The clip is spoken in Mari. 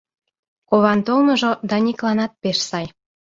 Кован толмыжо Даникланат пеш сай.